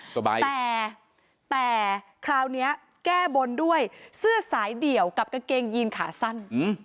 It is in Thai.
สบายใจแต่คราวนี้แก้บนด้วยเสื้อสายเดี่ยวกับกางเกงยีนขาสั้น